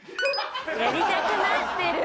やりたくなってる！